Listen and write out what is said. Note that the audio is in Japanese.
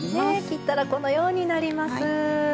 切ったらこのようになります。